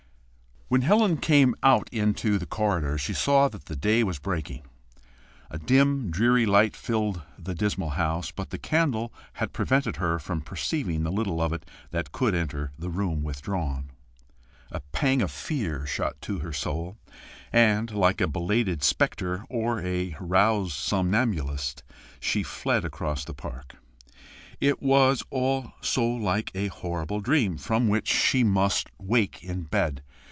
When Helen came out into the corridor, she saw that the day was breaking. A dim, dreary light filled the dismal house, but the candle had prevented her from perceiving the little of it that could enter that room withdrawn. A pang of fear shot to her soul, and like a belated spectre or a roused somnambulist she fled across the park. It was all so like a horrible dream, from which she must wake in bed!